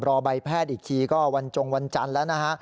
ใบแพทย์อีกทีก็วันจงวันจันทร์แล้วนะฮะ